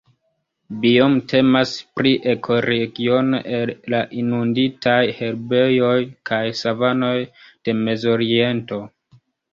Biome temas pri ekoregiono el la inunditaj herbejoj kaj savanoj de Mezoriento.